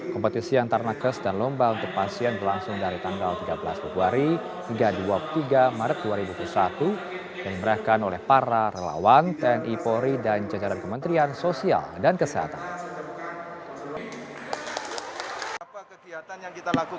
kompetisi antar nakes dan lomba untuk pasien berlangsung dari tanggal tiga belas februari hingga dua puluh tiga maret dua ribu dua puluh satu yang diberikan oleh para relawan tni polri dan jajaran kementerian sosial dan kesehatan